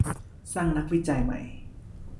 สร้างนักวิจัยใหม่